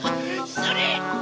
それ！